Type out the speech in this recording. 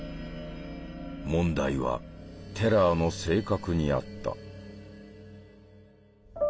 問題はテラーの性格にあった。